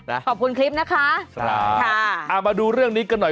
ขอบคุณคลิปนะคะครับค่ะอ่ามาดูเรื่องนี้กันหน่อย